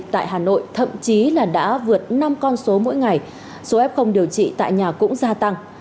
tại hà nội thậm chí là đã vượt năm con số mỗi ngày số f điều trị tại nhà cũng gia tăng